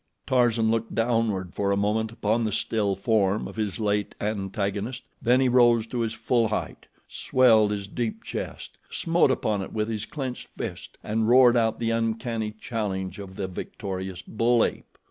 Tarzan looked downward for a moment upon the still form of his late antagonist, then he rose to his full height, swelled his deep chest, smote upon it with his clenched fist and roared out the uncanny challenge of the victorious bull ape.